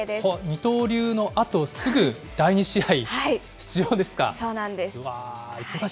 二刀流のあと、すぐ第２試合出場ですか。